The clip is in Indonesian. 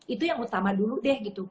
itu yang utama dulu deh gitu